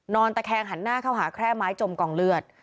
ตะแคงหันหน้าเข้าหาแคร่ไม้จมกองเลือด